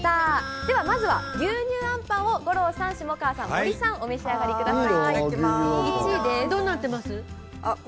では、まずは牛乳あんパンを五郎さん、下川さん、森さんお召し上がりください。